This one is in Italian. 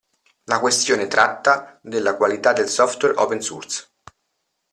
La questione tratta della qualità del software open source.